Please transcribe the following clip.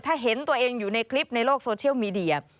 ถ้าเห็นตัวเองอยู่ในคลิปในโลกโซเชียลมีเดีย